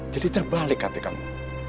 jadi terbalik hati kamu